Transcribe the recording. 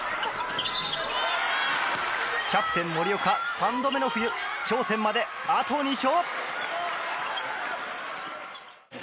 キャプテン森岡、３度目の冬頂点まで、あと２勝。